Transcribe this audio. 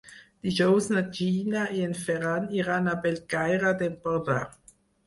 Dijous na Gina i en Ferran iran a Bellcaire d'Empordà.